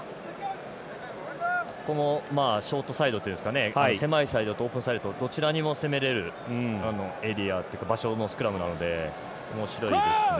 ここもショートサイド狭いサイドとオープンサイドどちらにも攻められるエリアというか場所のスクラムなのでおもしろいですね。